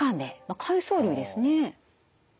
海藻類ですね。